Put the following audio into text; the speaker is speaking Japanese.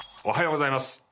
おはようございます。